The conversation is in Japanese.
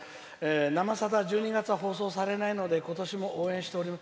「「生さだ」１２月は放送されないので今年も応援しております」。